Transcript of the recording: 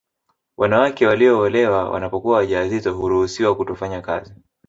Wanawake walioolewa wanapokuwa wajawazito huruhusiwa kutofanya kazi